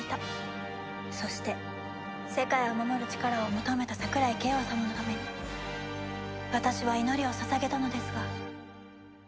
そして世界を守る力を求めた桜井景和様のために私は祈りを捧げたのですが。